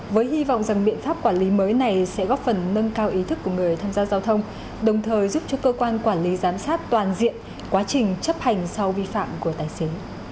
với hy vọng rằng biện pháp quản lý mới này sẽ góp phần nâng cao ý thức của người tham gia giao thông đồng thời giúp cho cơ quan quản lý giám sát toàn diện quá trình chấp hành sau vi phạm của tài xế